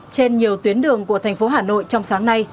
trên nhiều tuyến đường của thành phố hà nội trong sáng nay